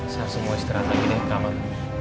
saya harus mau istirahat lagi deh di kamar